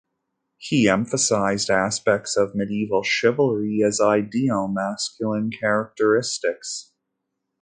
He emphasized aspects of medieval chivalry as ideal masculine characteristics.